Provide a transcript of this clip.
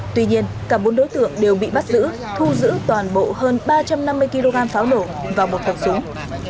tuy nhiên cả bốn đối tượng đều bị bắt giữ thu giữ toàn bộ hơn ba trăm năm mươi kg pháo nổ và một hộp súng